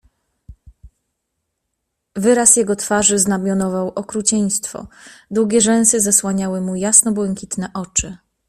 "Wyraz jego twarzy znamionował okrucieństwo, długie rzęsy zasłaniały mu jasno-błękitne oczy."